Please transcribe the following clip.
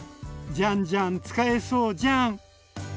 じゃんじゃん使えそうジャン。